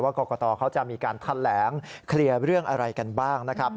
กรกตเขาจะมีการแถลงเคลียร์เรื่องอะไรกันบ้างนะครับ